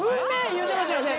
言うてましたよね。